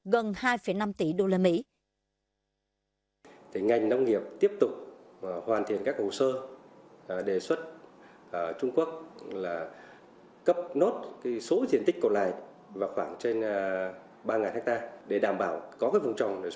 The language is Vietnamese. gần hai năm tỷ đô la mỹ